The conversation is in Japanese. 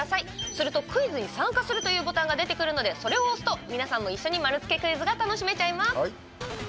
すると、クイズに参加するというボタンが出てくるのでそれを押すと、皆さんも一緒に丸つけクイズが楽しめちゃいます。